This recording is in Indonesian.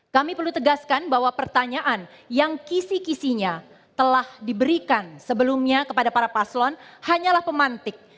kami perlu tegaskan bahwa pertanyaan yang kisi kisinya telah diberikan sebelumnya kepada para paslon hanyalah pemantik